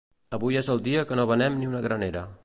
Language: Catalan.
Avui és el dia que no venem ni una granera.